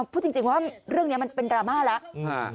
พูดจริงว่าเรื่องนี้มันเป็นดราม่าแล้ว